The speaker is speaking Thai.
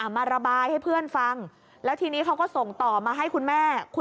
มาระบายให้เพื่อนฟังแล้วทีนี้เขาก็ส่งต่อมาให้คุณแม่